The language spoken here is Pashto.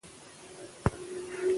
د ماشوم تعلیم ټولنیزې ستونزې راکموي.